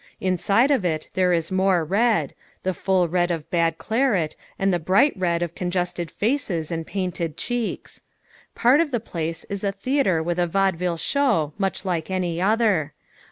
Inside of it there is more red the full red of bad claret and the bright red of congested faces and painted cheeks. Part of the place is a theater with a vaudeville show much like any other.